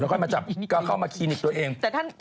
แล้วก็มาจับไปเครีนิกตัวเอง